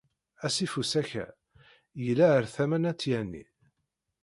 Asif usaka yella ar tama n at Yanni.